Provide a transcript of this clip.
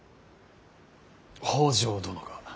北条殿が。